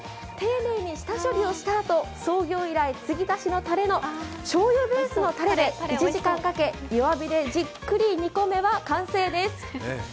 丁寧に下処理をしたあと、創業以来継ぎ足しのたれとしょうゆベースのたれで１時間かけ弱火でじっくり煮込めば完成です。